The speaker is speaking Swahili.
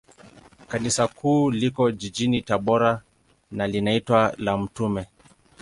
Kanisa Kuu liko jijini Tabora, na linaitwa la Mt.